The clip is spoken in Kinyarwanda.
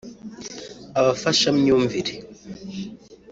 abafashamyumvire